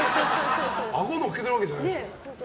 あご乗っけてるわけじゃないでしょ。